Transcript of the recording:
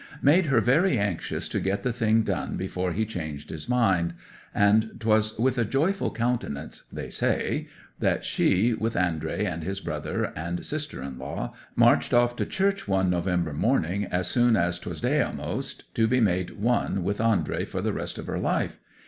'—made her very anxious to get the thing done before he changed his mind; and 'twas with a joyful countenance (they say) that she, with Andrey and his brother and sister in law, marched off to church one November morning as soon as 'twas day a'most, to be made one with Andrey for the rest of her life.